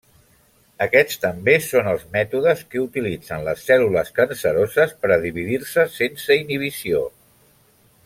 Aquests també són els mètodes que utilitzen les cèl·lules canceroses per a dividir-se sense inhibició.